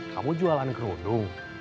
kamu jualan kerudung